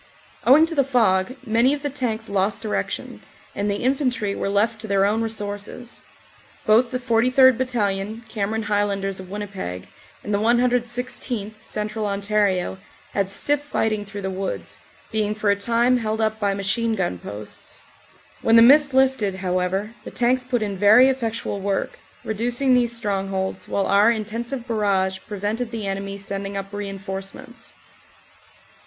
Owing to the fog many of the tanks lost direction, and the infantry were left to their own resources. Both the 43rd. Bat talion, Cameron Highlanders of Winnipeg, and the 116th., Central Ontario, had stiff fighting through the woods, being for a time held up by machine gun posts. When the mist lifted, however, the tanks put in very effectual work, reducing these strongholds, while our intensive barrage prevented the enemy sending up reinforcements.